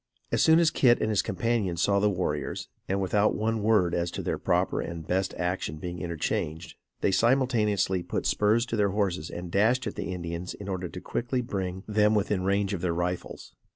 As soon as Kit and his companions saw the warriors, and without one word as to their proper and best action being interchanged, they simultaneously put spurs to their horses and dashed at the Indians in order quickly to bring them within range of their rifles.